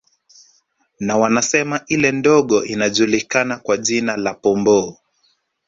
Na wanasema ile ndogo inajulikana kwa jina la Pomboo